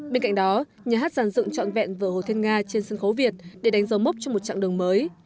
bên cạnh đó nhà hát giàn dựng trọn vẹn vợ hồ thiên nga trên sân khấu việt để đánh dấu mốc cho một chặng đường mới